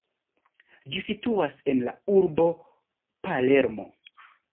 Ĝi situas en la urbo Palermo.